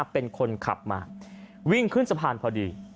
เป็นคนขับมาวิ่งขึ้นสะพานพอดี